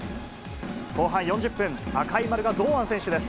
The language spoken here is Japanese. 後半４０分、赤い丸が堂安選手です。